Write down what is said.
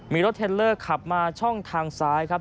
มีรถเทลเลอร์ขับมาช่องทางซ้ายครับ